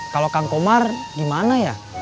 kalau kang komar gimana ya